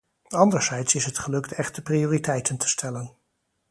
Anderzijds is het gelukt echte prioriteiten te stellen.